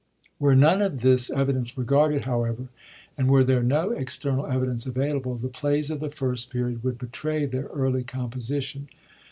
Were none of this evidence regarded, however, and were there no external evidence available, the plays of the First Period would betray their early composition.